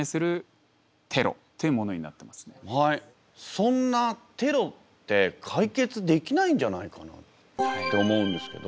そんなテロって解決できないんじゃないかなと思うんですけど。